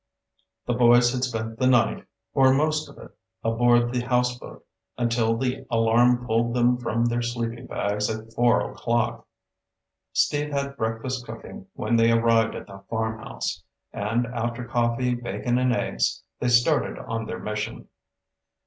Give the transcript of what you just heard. The boys had spent the night or most of it aboard the houseboat, until the alarm pulled them from their sleeping bags at four o'clock. Steve had breakfast cooking when they arrived at the farmhouse, and after coffee, bacon, and eggs, they started on their mission.